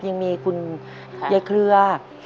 ยังมีคุณเย็ดเครือ